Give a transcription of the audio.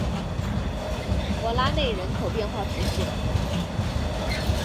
弗拉内人口变化图示